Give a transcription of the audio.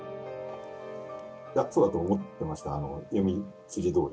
そうだと思ってました、読み筋どおり。